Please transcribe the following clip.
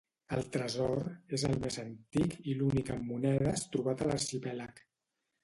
El tresor és el més antic i l'únic amb monedes trobat a l'arxipèlag.